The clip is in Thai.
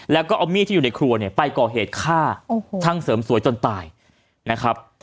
แล้วก็เอามีดที่อยู่ในครัวเนี่ยไปก่อเหตุฆ่าช่างเสริมสวยจนตายนะครับ